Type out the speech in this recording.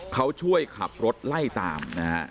เขาช่วยขับรถไล่ตามนะฮะ